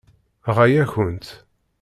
Ɣaya-kent.